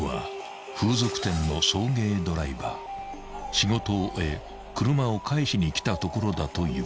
［仕事を終え車を返しにきたところだという］